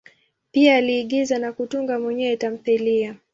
Pia aliigiza na kutunga mwenyewe tamthilia.